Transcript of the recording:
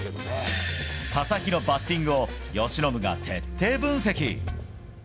佐々木のバッティングを由伸が徹底分析。